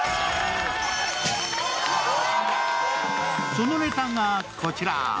そのネタが、こちら！